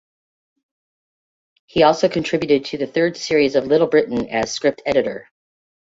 He also contributed to the third series of "Little Britain" as script editor.